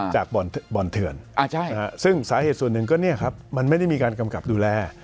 จากบ่อนเถื่อนซึ่งสาเหตุส่วนหนึ่งก็เนี่ยครับมันไม่ได้มีการกำกับดูแล